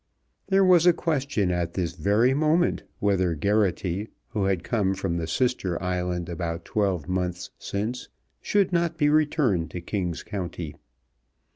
There was a question at this very moment whether Geraghty, who had come from the sister island about twelve months since, should not be returned to King's County.